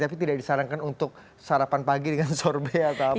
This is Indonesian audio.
tapi tidak disarankan untuk sarapan pagi dengan sorbet atau apa